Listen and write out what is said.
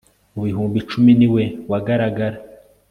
mu bihumbi icumi ni we wagaragara